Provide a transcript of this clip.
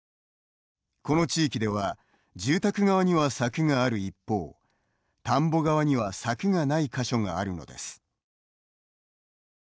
この地域では住宅側には柵がある一方田んぼ側には柵がない箇所があるのです。